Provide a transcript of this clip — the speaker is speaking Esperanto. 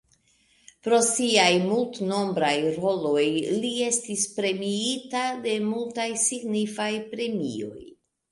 Pro siaj multnombraj roloj li estis premiita de multaj signifaj premioj.